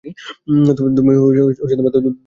তুমি দক্ষিণ পূর্ব দিকে যাও।